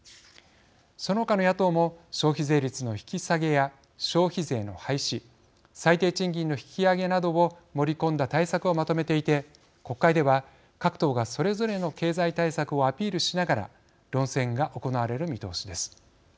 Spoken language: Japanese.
その他の野党も消費税率の引き下げや消費税の廃止最低賃金の引き上げなどを盛り込んだ対策をまとめていて国会では、各党がそれぞれの経済対策をアピールしながら論戦が行われる見通しです。